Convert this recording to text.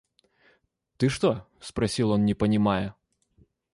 – Ты что? – спросил он, не понимая.